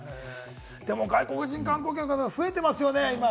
外国人観光客の方が増えてますよね、今。